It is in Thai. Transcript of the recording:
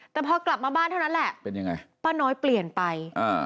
แต่พอกลับมาบ้านเท่านั้นแหละป้าน้อยเปลี่ยนไป